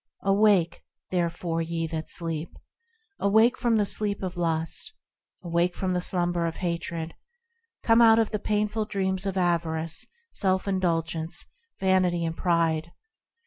Awake ! therefore, ye that sleep ! Awake from the sleep of lust ! Awake from the slumber of hatred ! Come out of the painful dreams of avarice, self indulgence, vanity and pride